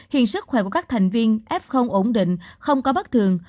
hiện sức khỏe của các thành viên f ổn định không có bất thường